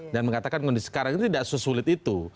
dan mengatakan kondisi sekarang itu tidak sesulit itu